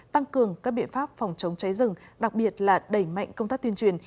tăng cường các biện pháp phòng chống cháy rừng đặc biệt là đẩy mạnh công tác tuyên truyền